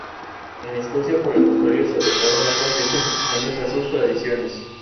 En Escocia, por el contrario, se adoptaron otras fechas ajustándose a sus tradiciones.